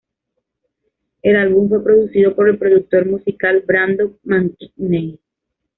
El álbum fue producido por el productor musical Brandon McKinney.